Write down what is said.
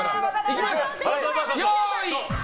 いきます！